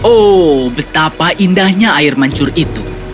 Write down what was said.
oh betapa indahnya air mancur itu